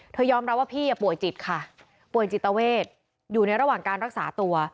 ยอมรับว่าพี่ป่วยจิตค่ะป่วยจิตเวทอยู่ในระหว่างการรักษาตัว